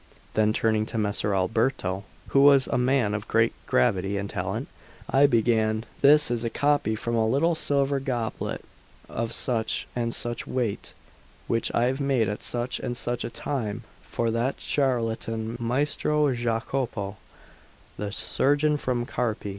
Then turning to Messer Alberto, who was a man of great gravity and talent, I began: "This is a copy from a little silver goblet, of such and such weight, which I made at such and such a time for that charlatan Maestro Jacopo, the surgeon from Carpi.